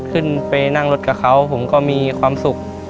ขึ้นไปนั่งรถกับเขาผมก็มีความสุข